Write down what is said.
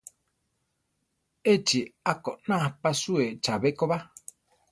Échi a-koná aʼpasúe chabé ko ba.